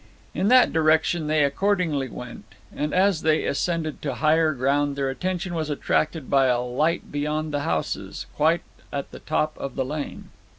In that direction they accordingly went; and as they ascended to higher ground their attention was attracted by a light beyond the houses, quite at the top of the lane.